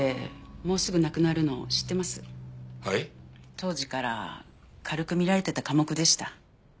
当時から軽く見られてた科目でした。